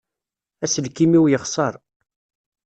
Aselkim-iw yexseṛ.